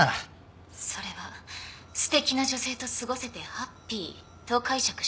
それはすてきな女性と過ごせてハッピーと解釈しても？